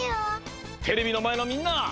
テレビのまえのみんな！